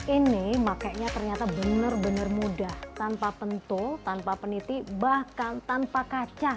ini makanya ternyata benar benar mudah tanpa pentul tanpa peniti bahkan tanpa kaca